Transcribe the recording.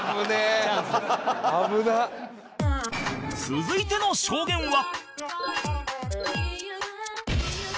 続いての証言は